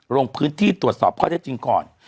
ลงพื้นที่ตรวจสอบข้อได้จริงก่อน